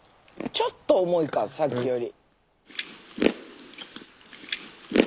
ちょっと重いかさっきより。